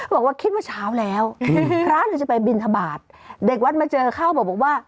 บอกว่าคิดเมื่อเช้าแล้วพระเนี่ยจะไปบินทบาทเด็กวัดมาเจอเข้าบอกว่า